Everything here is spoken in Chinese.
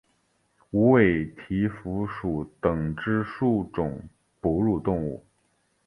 无尾蹄蝠属等之数种哺乳动物。